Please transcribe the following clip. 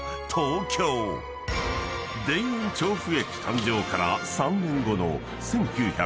［田園調布駅誕生から３年後の］